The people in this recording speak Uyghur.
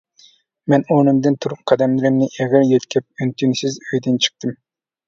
مەن ئورنۇمدىن تۇرۇپ قەدەملىرىمنى ئېغىر يۆتكەپ ئۈن- تىنسىز ئۆيدىن چىقتىم.